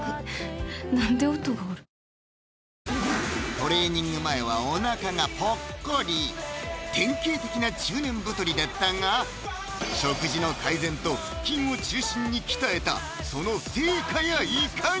トレーニング前はお腹がぽっこり典型的な中年太りだったが食事の改善と腹筋を中心に鍛えたその成果やいかに？